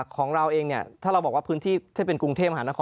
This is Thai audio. ของเราเองเนี่ยถ้าเราบอกว่าพื้นที่ถ้าเป็นกรุงเทพมหานคร